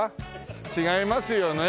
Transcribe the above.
違いますよねえ。